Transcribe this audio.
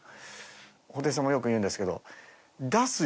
布袋さんもよく言うんですけど。